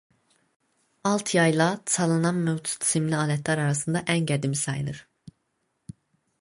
Alt yayla çalınan mövcud simli alətlər arasında ən qədimi sayılır.